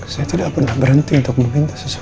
saya tidak pernah berhenti untuk meminta sesuatu